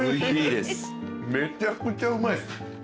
めちゃくちゃうまいです。